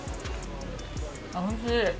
おいしい。